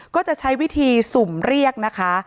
ก็จะใช้วิธีสุ่มเรียกนะคะ